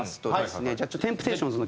じゃあテンプテーションズの曲を。